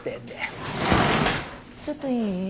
ちょっといい？